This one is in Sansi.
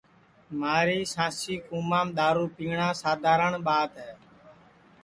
مھاری سانسی کُومام دؔارو پیٹؔا سادھارن ٻات ہے